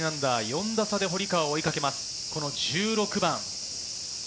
４打差で堀川を追いかけます、１６番。